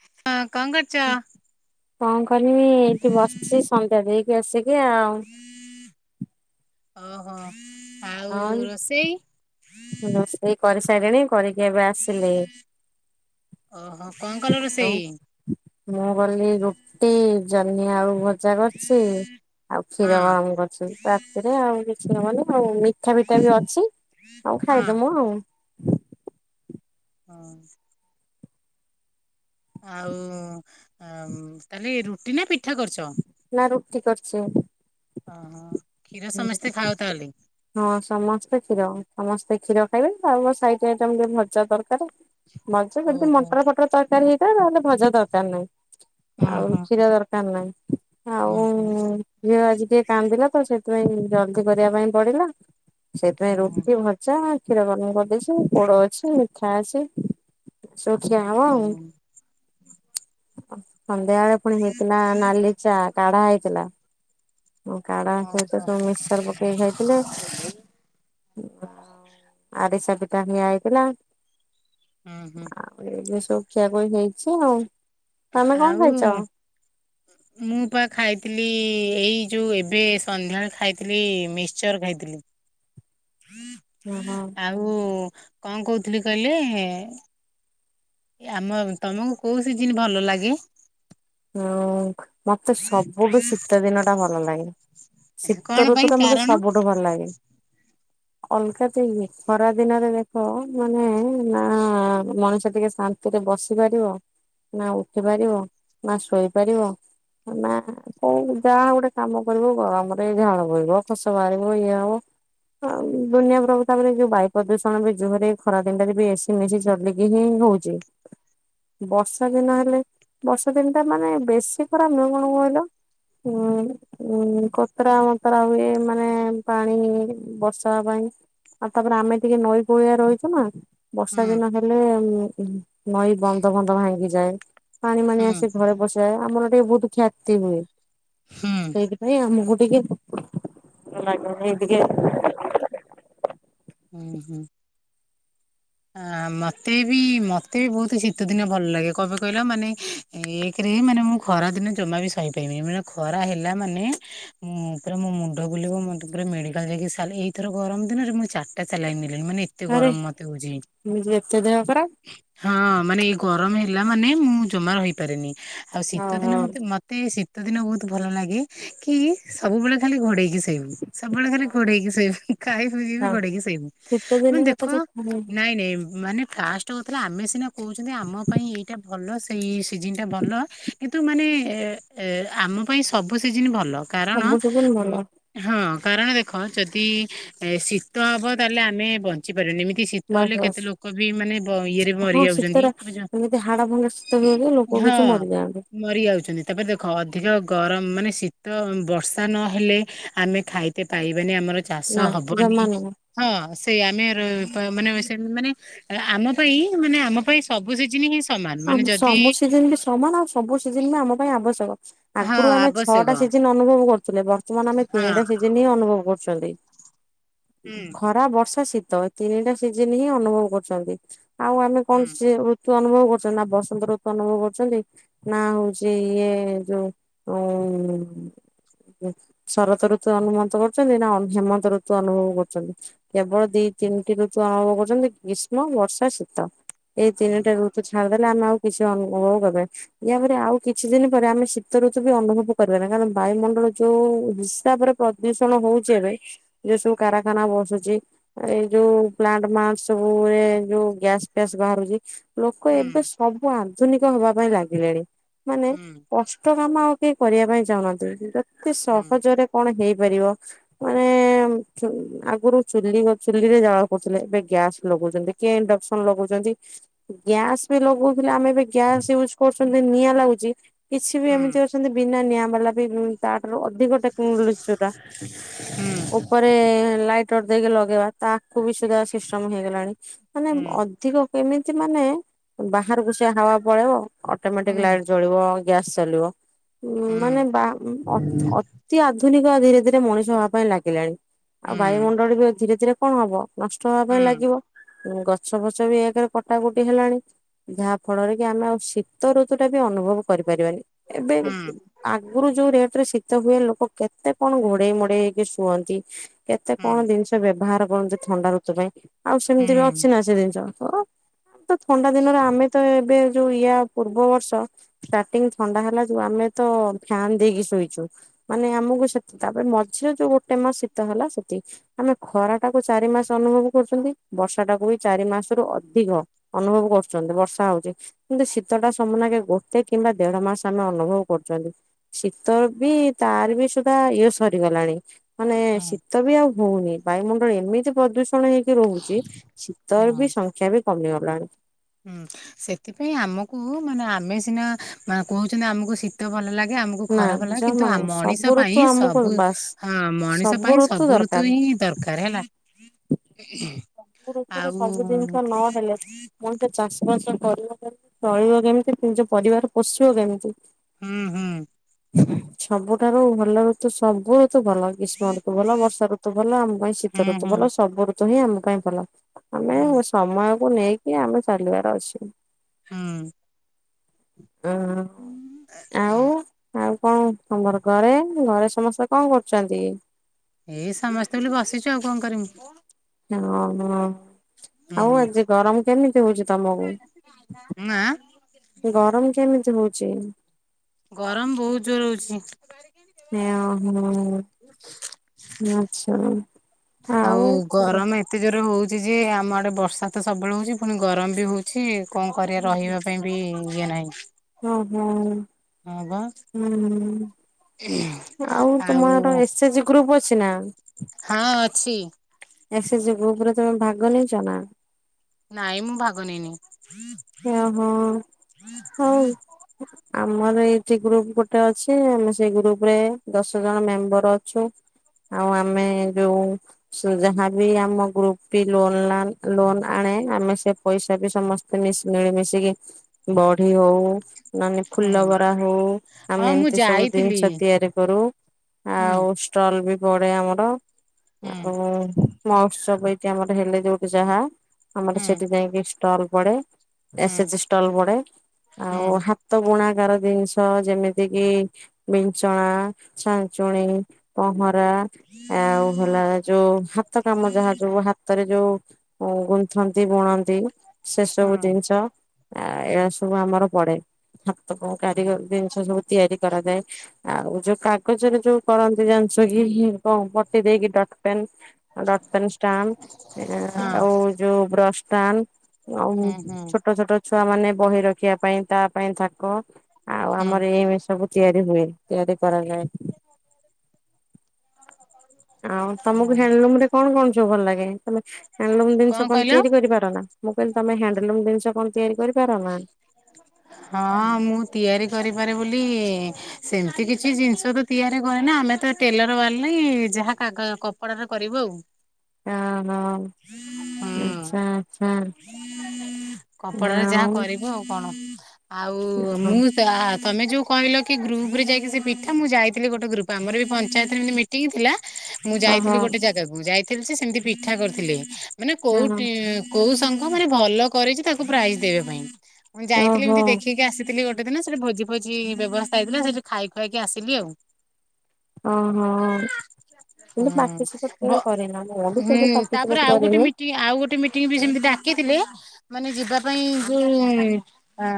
[unintelligible] କଣ କରୁଛ? କଣ କରୀମି ଏଇଠି ବସିଛି ସନ୍ଧ୍ୟା ଦେଇକି ଆସି [inaudible] ଆଉ। ଓହୋ ଆଉ ରୋଷେଇ ସେରଣୀ କରିକି ଏବେ ଆସିଲେ ଓହୋ କଣ କଲ ଆଉ ରୋଷେଇ? ମୁଁ ଗଲି ଗୋ ସେ ଜ [inaudible] ଆଉତ ପୂଜା କରଛି ଆଉ କ୍ଷୀର ହଁ ଗରମ କରୁଛି ରାତି ରେ ଆଉ କିଛି ହବନି। ହଉ ମିଠା ପିଠା ବି ଅଛି। ହଉ ହଁ ଖାଇଦମୁ ଆଉ ହଁ। ଆଉ ତାହେଲେ ରୁଟି ନା ପିଠା କରିଛ। ନା ରୁଟି କରିଛି। ଓହୋ କ୍ଷୀର ସମସ୍ତେ ଖାଉ ତାହେଲେ ହଁ ସମସ୍ତେ କ୍ଷୀର ସମସ୍ତେ କ୍ଷୀର ଖାଇବେ ଆଉ ସାଇଡ ଆଇଟମ ରେ ଟିକେ ଭଜା ଦରକାର ଭଜା ଯଦି ଓହୋ ଓହୋ ମଟର ଫଟର ତରକାରୀ ହେଇଥାଏ ତାହେଲେ ଭଜା ଦରକାର ଉଁ ନାହିଁ ଆଉ ହୁଁ କ୍ଷୀର ଦରକାର ନାହିଁ। [unintelligible] ଉଁ ଆଉ ଝିଅ ଆଜି ଟିକେ କାନ୍ଦିଲା ତ ସେଠ ସେଥି ଜଲ୍ଦି କରିବା ପାଇଁ ପଢିଲା ସେଥିପାଇଁ ହୁଁ ରୁଟି ଭଜା କ୍ଷୀର ଗରମ କରିଦେଇଛି। ପୋଡ ଅଛି। ଖାସ ଶଖିଆ ହବ ଉଁ ସନ୍ଧ୍ୟା ବଳେ ପୁଣି ହେଇଥିଲା ନାଲିଚା କାଢା ହେଇଥିଲା। କାଢା ସହିତ ସବୁ ମିକ୍ସର ପକେଇକ ଖାଇ ଆ [inaudible] ତ ଆଇଗଲା ହୁଁହୁଁ ଶଖି କ ହେଇ। ଆଉ ମୁଁ ପା ଖାଇଥିଲି। ଏଇ ଯୋଉ ଏବେ ସନ୍ଧ୍ୟାବେଳେ ଖାଇଥିଲି ମିକ୍ସଚର ଖାଇଥିଲି। ଓହୋ ଆଉ କଣ କହୁଥିଲି କହିଲେ? ଆମ ତମକୁ କୋଉସି ଜିନ ଭଲ ଲାଗେ। ହୁଁ ମତେ ସବୁଠୁ ଶୀତ ଦିନ ଟା ଭଲ ଲାଗେ ଶୀତ କଣ ପାଇଁ ଋତୁ ଟା ମତେ କାରଣ ସବୁଠୁ ଭଲ ଲାଗେ। ଅଲଗା ଦେଇ ଖରା ଦିନରେ ଦେଖ ମାନେ ନା ମଣିଷ ଟିକେ ଶାନ୍ତିରେ ବସି ପାରିବ ନା ଉଠି ପାରିବ। ନା ଶୋଇପାରିବ ନା କୋଉ ଯାହା ଗୋଟେ କାମ କରିବ ଗରମରେ ଝାଳ ବୋହିବ ଖସ ବାହାରିବ ଇଏ ହବ ଦୁନିଆ ପ୍ରଭୁତାବରେ ଯୋଉ ବାୟୁ ପ୍ରଦୂଷଣ ବି ଜୋରେ ଖରା ଦିନରେ ବି ଏସି ମିଶି ଚଲିକି ହିଁ ହଉଛି ବର୍ଷା ଦିନ ହେଲେ ବର୍ଷା ଦ ଦିନଟା ମାନେ ବେଶୀ ଖରା ମଣ କହିଲ ଉ କତରା ମତରା ହୁଏ ମାନେ ପାଣି ବର୍ଷା ପାଇଁ ଆଉ ତାପରେ ଆମେ ଟିକେ ନଈ ପଳିଆ ରହିଛୁ ନା। ବର୍ଷା ହୁଁ ଦିନ ହେଲେ। ହୁ। ନଈ ବନ୍ଧ ବଧ ଭାଙ୍ଗି ଯାଏ ପାଣି ମଣି ହୁଁ ଆସ। ଘରେ ବସାଏ ଆମର। ବହୁତ ଖ୍ୟାତି ହୁଏ। ହୁଁ ସେଇଥିପାଇଁ ଆମ ଗୋଟେ ସେ ସେଇ ଟିକେ ହୁଁ ହୁଁ ମତେ ବି ମତେ ବି ବହୁତ ଶୀତ ଦିନ ଭଲ ଲାଗେ କହିବି କହିଲା ମାନେ ଏକରେ ମାନେ ମୁଁ ଖରା ଦିନ ଜମା ବି ସହିପାରିବିନି ମାନେ ଖରା ହେଲା ମାନେ ମୁଁ ପୁରା ମୋ ମୁଣ୍ଡ ବୁଲିବ ମ ପୁରା ମେଡିକାଲ ଯାଇକି ଏଇଥର ଗରମ ଦିନରେ ମୁଁ ଚାରିଟା ଚାଲାଇନି। ମାନ ଏତେ ଗରମ ମତେ ହଉଛି। ମୁ ଏତେ ଦେହ ପରା ହଁ ମାନେ ଏଇ ଗରମ ହେଲା ମାନେ ମୁଁ ଜମା ରହିପାରନି। ଆଉ ହଁ ଶୀତଦିନ ହଁ ମତେ ମତେ ଶୀତ ଶୀତ ଦିନ ବହୁତ ଭଲ ଲାଗେ କି ସବୁବେଳେ ଖାଲି ଘୋଡେଇକି ବୁ ସବୁବେଳେ ଘରେ ଘୋଡେଇକି ଶୋଇବୁ ଖାଇ ପିଇ ବି ହଁ ଘୋଡେଇକି ଶୋଇବୁ ଶୀତ ମୁ ଦିନ ଦେଖ ପଛେ ନ ନାଇଁ ମାନେ ଫା କ ଆମେ ସିନା କହୁଛନ୍ତି ଆମ ପାଇଁ ଏଇଟା ଭଲ ସେଇ। ସେ ଜିନ ଟା ଭଲ। କିନ୍ତୁ ମାନେ ଆମ ପାଇଁ ସବୁ ସିଜିିନ ଭଲ। କାରଣ ସବୁ ସିଜିନ ଭଲ ହଁ। କାରଣ ଦେଖ ଯଦି ଏ ଶୀତ ହବ ତାହେଲେ ଆମେ ବଞ୍ଚିପାରିବା ଏମିତି ବାସ୍ ତାହେଲେ ବାସ୍ କେତେ ଲୋକ ବି ମାନେ ଇଏରେ ମରି ହଁ ଯାଉଛନ୍ତି ଶୀତର ବୁଝ ଏମିତି ହାଡ ଭଙ୍ଗା ଶୀତ ହୁଏ ଯେ ଲୋକ ହଁ କିଛି ମରିଯାଆନ୍ତି ମରି ଯାଉଛନ୍ତି ତାପରେ ଦେଖ ଅଧିକ ଗରମ ମାନେ ଶୀତ ବର୍ଷା ନହେଲେ ଆମେ ଖାଇତେ ପାଇବା। ଆମର ଚାଷ ନା ହବନି ଜମା ନୁହଁ। ହଁ ସେ ଆମ ମାନେ ମାନେ ଆମ ପାଇଁ ମାନେ ଆମ ପାଇଁ ସବୁ ସେ ଜିନି ଆମ ସବୁ ସିଜିନ ବି ସମାନ ଆଉ ସବୁ ସିଜିନ ବି ଆମ ପାଇଁ ଆବଶ୍ୟକ। ହଁ ଆଗରୁ ଆମେ ଆବଶ୍ୟକ ଛଅଟା ସିଜିନ ଅନୁଭବ କରୁ। ହେଲେ ବର୍ତ୍ତମାନ ତହେନେ ଆମେ ହଁ ତିିନିଟା ହିଁ ଅନୁଭବ କରୁ। ଚାଲି। ହୁଁ ଖରା ବର୍ଷା ଶୀତ। ତ ତିନିଟା ସିଜିନ ହିଁ ଅନୁଭବ କରୁଛନ୍ତି। ଆଉ ଆମେ କଣ ହୁଁ କେମିତି ଅନୁଭବ କରୁ? ନା ବସନ୍ତ ଋତୁ ଅନୁଭବ କରୁଛନ୍ତି ନା ହଉଛି ଇଏ ଯୋଉ ଉ ଶରତ ଋତୁ ଅନୁଭତ କରୁଛନ୍ତି ନା ହେମନ୍ତ ଋତୁ ଅନୁଭବ କରୁଛନ୍ତି କେବଳ ଦି ତିନିଟି ଋତୁ ଅନୁଭବ କରୁଛନ୍ତି ଗ୍ରୀଷ୍ମ ବର୍ଷା ଶୀତ। ଏଇ ତିନିଟା ଋତୁ ଅଛି। ଛାଡ଼ିଦେଲେ ଆମେ ଆଉ କିଛି ଅନୁଭବ କ ୟାପରେ ଆଉ କିଛି ଦିନ ପରେ ଆମେ ଶୀତ ଋତୁ ବି ଅନୁଭବ କରିବା ନି କାରଣ ବାୟୁମଣ୍ଡଳ ଯୋଉ ହିସାବରେ ପ୍ରଦୂଷଣ ହଉଛି ଏବେ ଯୋଉ ସବୁ କାରଖାନା ବସୁଛି ଏଇ ଯୋଉ ପ୍ଲାଣ୍ଟଣ୍ଟ ସବୁରେ ଯୋଉ ଗ୍ୟାସ ଫ୍ୟାସ ବାହାରୁଛି ଏବେ ହୁଁ ସବୁ ଆଣି ଆଧୁନିକ ହବା ପାଇଁ ଲାଗିଲେଣି। ମାନେ ହୁଁ କଷ୍ଟ ମାମା ଆଉ କେହି କରିବା ପାଇଁ ଚାହୁଁହାନ୍ତି କିନ୍ତୁ ଏତେ ହୁଁ ସହଜରେ କଣ ହେଇ ପାରିବ ମାନେ ଆଗରୁ ଚୁଲି ଚୁଲିରେ ଜାଳ କରୁଥିଲେ ଏବେ ଗ୍ୟାସ ଲଗୁଛନ୍ତି କିଏ ଇଣ୍ଡକ୍ସନ ଲଗୋଉଛନ୍ତି। ଗ୍ୟାସ୍ ବି ଲଗୋଉ ଆମେ ବି ଗ୍ୟାସ୍ ଇଉଜ କରୁଛୁ। ଏମିତି ନିଆଁ ଲାଗୁଚି। କିଛି ବି ଏମିତି ହୁଁ ଅଛନ୍ତି ବିନା ନିଆଁ ମତଲବ ବାଲା ବି ତା ଅଧିକ ଟେକ୍ନୋଲୋଜି କୋଉଟା ହୁଁ ଉପରେ ଲାଇଟର ଦେଇକି ଲଗେଇ ବା। ତାକୁ ବି ସୁଧା ସିଷ୍ଟମ ହେଇଗଲାଣି ମାନେ ହୁଁ ଅଧିକ କେମିତି ମାନେ। ବାହାରକୁ ସେ ହାୱ ପଳେଇବ। ଅଟୋମେଟିକ ହୁଁ ହୁଁ ଲାଇଟ୍ ଜଳିବ ଗ୍ୟାସ୍ ଚାଲିବ। ହଁ ମାନେ ହୁଁ ବା ଅ-ଅତି ଆଧୁନିକ ଆଧୁନିକ ଧୀରେ ଧୀରେ ମଣିଷ ହବା ପାଇଁ ଲାଗିଲାଣି। ଆଉ ହୁଁ ବାୟୁମଣ୍ଡଳ ବି ଧୀରେ ଧୀରେ କଣ ହବ? ନଷ୍ଟ ହବା ପାଇଁ ହୁଁ ଲାଗିବ। ଗଛ ଫଛ ବି ଏକରେ କଟା କୁଟି ହେଲାଣି ଯାହା ଫଳରେ କି ଆମେ ଆଉ ଶୀତ ଋତୁ ଟା ବି ଅନୁଭବ କରି ପାରିବାନି ଏବେ ହୁଁ ଆଗରୁ ଯୋଉ ରେଟରେ ଶୀ ତ ହୁଏ ଲୋକ କେତେ କଣ ଘୋଡେଇ ମୋଡେଇ ହେଇକି ଶୁଅନ୍ତି। କେତେ ହୁଁ କଣ ଜିନିଷ ବ୍ୟବହାର କରନ୍ତି ଥଣ୍ଡା ଋତୁ ପାଇଁ ଆଉ ହୁଁ ସେମିତି ବି ଅଛି ନା ସେ ଜିନିଷ ହ ଥଣ୍ଡା ଦିନରେ ଆମେ ତ ଏବେ ଯୋଉ ୟା ପୂର୍ବ ବର୍ଷ ଷ୍ଟାର୍ଟିଙ୍ଗ ଥଣ୍ଡା ହେଲା ଯୋଉ ଆମେ ତ ଫ୍ୟାନ ଦେଇକି ଶୋଇଛୁ ମାନେ ଆମକୁ ସେ ତାପରେ ମଝିରେ ଯୋଉ ଗୋଟେ ମାସ ଶୀତ ହେଲା ସେତିକି ଆମେ ଖରା ଟାକୁ ଚାରି ମାସ ଅନୁଭବ କରୁଛନ୍ତି ବର୍ଷାଟାକୁ ବି ଚାରି ମାସରୁୁ ଅଧିକ ଅନୁଭବ କରୁଛନ୍ତି ବର୍ଷା ହଉଛି କିନ୍ତୁ ଶୀତ ଟା ସମୁନାକେ ଗୋଟେ କିମ୍ବା ଦେଢ ମାସ ଆମେ ଅନୁଭବ କରୁଛନ୍ତି ଶୀତ ବି ତାର ବି ସୁଦ୍ଧା ଇଏ ସରିଗଲାଣି। ମାନେ ହୁଁ। ଶୀତ ବି ଆଉ ହଉନି ବାୟୁମଣ୍ଡଳ ଏମିତି ପ୍ରଦୂଷି ଣ ହେଇକି ରହୁଛି ଶୀତର ବି ହଁ ସଂଖ୍ୟା ବି କମିଗ ଲାଣି ହୁଁ ସେଥିପାଇଁ ଆମକୁ ମାନେ ଆମେ ସିନା କହୁଛନ୍ତି ଆମକୁ ଶୀତ ଭଲ ଲାଗେ ଆମକୁ ନା ଖରାପ ହେଲା ଜମା କିନ୍ତୁ ନୁହଁ ସବୁ ମଣିଷ ଋତୁ ପାଇଁ ଆମକୁ ସବୁ ବାସ୍ ହଁ ମଣିଷ ସବୁ ପାଇଁ ସବୁ ଋତୁ ଦରକାର। ହିଁ ଦରକାର ହେଲା। ସବୁ ଋତୁରେ ଆଉ ସବୁ ହୁଁ ଜିନିଷ ନହେଲେ ମ ଚାଷ ବାସ କରିବ କେମତି ଚଳିବ କେମିତି ନିଜ ପରିବାର ପୋଷିବ କେମିତି? ହୁଁ ହୁଁ ସବୁଠାରୁ ଭଲ ଋତୁ ସବୁ ଋୁତୁ ଭଲ ଗ୍ରୀଷ୍ମଋୁତୁ ଭଲ ବର୍ଷାଋୁତୁ ଭଲ ଆମ ପାଇଁ ଶୀତ ହୁଁ ଋୁତୁ ତ ହୁଁ ଭଲ ସବୁ ଋ ତୁ ହିଁ ଆମ ପାଇଁ ଭଲ। ଆମେ ହୁଁ ସମୟ ସବୁ ନେଇକି ଆମେ ଚାଲିବାର ଅଛି। ହୁଁ। ଅ ଆଉ ଆଉ ହୁଁ। କଣ ତମର୍ ଘରେ ଘରେ ସମସ୍ତେ କଣ କରୁଛନ୍ତି? ଏଇ ସମସ୍ତେ ବୋଲି ବସିଛୁ ଆଉ କଣ କରିମୁଁ? ହଁ ହ। ଆଉ ହୁଁ ଆଜି ଗରମ କେମିତି ହଉଛି ତମକୁ ନା ଗରମ କେମିତି ହଉଛି? ଚି ଗରମ ବହୁତ ଜୋର ହଉଛି। ଆ ହୋ ଆଛା ଆଉ ଯେ ଯେ ଆମ ଆଡ଼େ ବର୍ଷା ତ ସବୁବେଳେ ହେଉଛି ପୁଣି ଗରମ ବି ହଉଛି। କଣ କରିବା ରହିବା ପାଇଁ ବି ଇଏ ନାଇଁ ଓ ହୋ। ହୁଁ ଆଉ ତୁମର ଆଉ ଏସ ଏଚ୍ ଗ୍ରୁପ ଅଛି ନା? ଛି ଏଶ୍ ଏଚ୍ ଗ୍ରୁପ୍ ରେ ତମେ ଭାଗ ନେଇଛ ନା? ନାଇଁ ମୁଁ ଭାଗ ନେଇନି। ଅହୋ ହଉ ଆମର ଏଠି ଗ୍ରୁପ ଗୋଟେ ଅଛି ଆମେ ସେଇ ଗ୍ରୁପ ରେ ଦଶ ଜଣ ମେମ୍ବର ଅଛୁ, ଆଉ ଆମେ ଯୋଉ ଶ୍ ଯାହାବି ଆମ ଗ୍ରୁପ ବି ଲୋନ୍ ଲାନ୍ ଲୋନ୍ ଆଣେ ଆମେ ସେ ପଇସା ରେ ସମସ୍ତେ ମିସ୍ ମିଳିମିଶିକି ବଢି ହଉ। ନହେଲେ ଫୁଲ ହୁଁ ବରା ହଉ ଆମେ ହଁ ମୁଁ ଏମିତି ସବୁ ଜିନିଷ ଯାଇଥିଲି ତିଆରି କରୁ ହୁଁ ଆଉ ଷ୍ଟଲ ବି ଗଡେ ଆମର ହୁଁ ଓ ମ ସବୁ ଏଇଠି ଆମର ହେଲେ ଯୋଉଠି ଯାହା ଆମର ହୁଁ ସେଠି ଯାଇକି ଷ୍ଟଲ ପଡେ। ଏସ ହୁଁ ଏଚ ଷ୍ଟଲ ପଡେ ହୁଁ ଆଉ ହାତ ବୁଣା କାର ଜିନିଷ ଯେମିତି କି ବିଚ୍ଛନା ଛାଞ୍ଚୁଣି ପହଁ ରା ଆଉ ହେଲା ଯୋଉ ହାତ କାମ ଯାହା ଯୋଉ ହାତରେ ଯୋଉ ଗୁନ୍ଥନ୍ତି ବୁଣନ୍ତି। ସେ ସବୁ। ହୁଁ ଶ ଆ ହୁଁ ଏୟା ସବୁ ଆମ ର ପଡେ ହା ତ କଉ କାରିଗର ଜିନିଷ ସବୁ ତିଆରି କରାଯାଏ, ଆଉ ଯୋଉ କାଗଜରେ ଯୋଉ କରନ୍ତି ଜାଣିଛ କି, ହି ହଁ ପଟି ଦେଇକି ଡଟ୍ ପେନ୍ ଆଉ ଡଟ୍ ପେନ୍ ଷ୍ଟାମ୍ପ ଆ ହଁ ଆଉ ଯୋଉ ବ୍ରଶ୍ ତାନ୍। ଆଉ ହୁଁ ହୁଁ ଛୋଟ ଛୋଟ ଛୁଆ ମାନେ ବହି ରଖିବା ପାଇଁ ତା ପାଇଁ ଥାକ। ଆଉ ହୁଁ ଆମର ଏ-ଏ ସବୁ ତିଆରି ହୁଏ, ତିଆରି କରାଯାଏ। ଆଉ ତମକୁ ହଁ ହ୍ୟାଣ୍ଡଲୁମ୍ ରେ କଣ କଣ ସବୁ ଭଲ ଲାଗେ, ତମେ ହ୍ୟାଣ୍ଡଲୁମ୍ ଜିନିଷ କଣ ତିଆରି କରିପାର ନା ମୁଁ କହିଲ୍ ତମେ ହ୍ୟାଣ୍ଡଲୁମ୍ ଜିନିଷ କଣ ତିଆରି କରିପାର ନା? ହଁ ମୁଁ ତିଆରି କରିପାରେ ବୋଲି ସେମିତି କିଛି ଜିନିଷ ତ ତିଆରି କରେ ନା ଆମେ ତ ଟେଲର ବାଲି ଯାହା କାଗ କପଡା ରେ କରିବୁ ଆଉ ଓ ହଁ ହୁଁ ଆଚ୍ଛା ଆଚ୍ଛା କପଡାରେ ଯାହା ଆଉ କରିବୁ ଆଉ କଣ? ଆଉ ଓହୋ ମୁଁ ତା ତମେ ଯୋଉ କହିଲ କି ଗ୍ରୁପ ରେ ଯାଇକି ସେ ପିଠା ମୁଁ ଯାଇଥିଲି ଗୋଟେ ଗ୍ରୁପ ଆମର ବି ପଞ୍ଚାୟତରେ ଏମତି ମିଟିଂ ଥିଲା ମୁଁ ହଁ ଯାଇଥିଲି ଗୋଟେ ଜାଗାକୁ ଯାଇଥିଲି ଥିଲି ଯେ ସେମିତି ପିଠା କରିଥିଲେ ମାନେ କୋଉଠି କୋଉ ସଙ୍ଘ ମାନେ ଭଲ କରଛି ତାକୁ ପ୍ରାଇଜ ଦେବା ପାଇଁ ମୁଁ ଯାଇଥିଲି ଓହୋ ଏମିତି ଦେଖିକି ଆସିଥିଲି ଗୋଟେ ଗୋଟେ ଦିନ ସେଠି ଭୋଜି ଭୋଜି ବ୍ୟବସ୍ଥା ହେଇଥିଲା ସେଠି ଖାଇ ଖୁଆକି ଆସିଲି ଆଉ ଓହୋ କିନ୍ତୁ ପାର୍ଟିସିପେଟ କେବେ ହଁ କରିନା ମୁଁ ବି କେବେ ହୁଁ ପାର୍ଟିସିପେଟ ତାପରେ ଆଉ ଗୋଟେ କରିନି ମିଟିଂ ଆଉ ଗୋଟେ ମିଟିଂ ବି ସେମିତି ଡାକିଥିଲେ ମାନେ ଯିବା ପାଇଁ ଯୋଉ ଆ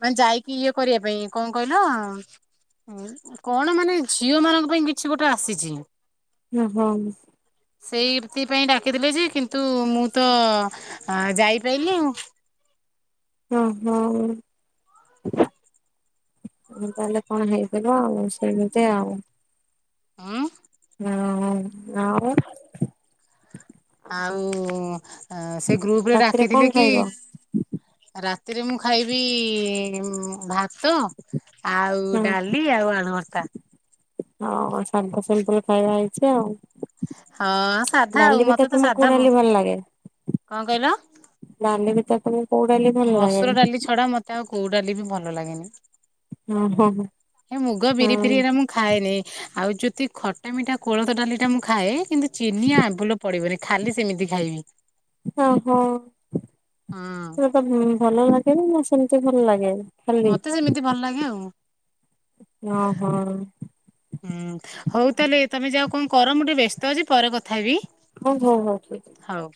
ମାନେ ଯାଇକି ଇଏ କରିବା ପାଇଁ କଣ କହିଲ କଣ ମାନେ ଝିଅ ମାନଙ୍କ ପାଇଁ କିଛି ଗୋଟେ ଆସିଛି ଓ ହୋ ସେଇଥିପାଇଁ ଡାକିଥିଲେ ଯେ କିନ୍ତୁ ମୁଁ ତ ଯାଇପାରିଲିନି ଆଉ ଓ ହୋ ତାହଲେ କଣ ହେଇଥିବ ଆଉ ସେମିତି ଆଉ ଉଁ ହଁ ଆଉ ଆଉ ସେ ଗ୍ରୁପ ରେ ରାତିରେ କଣ ଡାକିଥିଲେ କି ଖାଇବ? ରାତି ରେ ମୁଁ ଖାଇବି ଭାତ ଆଉ ହଁ ଡାଲି ଆଉ ଆଳୁ ଭର୍ତା ହଁ ସାଧା ସିମ୍ପଲ ଖାଇବା ହେଇଛି ଆଉ ହଁ ସାଧା ଆଉ ଡାଲି ଭିତରେ ମତେ ତ ତମକୁ କୋଉ ସାଧା ଡାଲି ଭଲ ବହୁ ଲାଗେ? କଣ କହିଲ ଡାଲି ଭିତରେ ତମକୁ କୋଉ ଡାଲି ଭଲ ଲାଗେ? ମସୁର ଡାଲି ଛଡା ମତେ ଆଉ କୋଉ ଡାଲି ବି ଭଲ ଭଲ ଲାଗେନି ହଁ ହଁ ଏ ମୁଗ ବିରି ହଁ ଫିରିରେ ମୁଁ ଖାଏନି ଆଉ ଯଦି ଖଟା ମିଠା କୋଳଥ ଡାଲି ଟା ମୁଁ ଖାଏ କିନ୍ତୁ ଚିନି ଆମ୍ବୁଲ ପଡିବନି ଖାଲି ସେମିତି ଖାଇବି [unintelligible] ହଁ ଭଲ ଲାଗେନି ନା ସେମିତି ଭଲ ଲାଗେ ଖାଲି ମତେ ସେମିତି ଭଲ ଲାଗେ ଆଉ ଓହୋ ହୁଁ ହଉ ତାହେଲେ ତମେ ଯାଅ। କଣ କର ମୁଁ ଟିକେ ବ୍ୟସ୍ତ ଅଛି ପରେ କଥା ହେବି। ହଉ ହଉ ହଉ ଠିକ୍ ଅଛି। ହଉ।